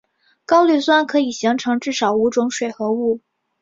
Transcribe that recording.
高氯酸可以形成至少五种水合物。